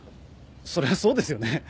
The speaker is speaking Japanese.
そりゃあそうですよね。